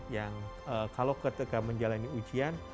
yang kalau ketika menjalani ujian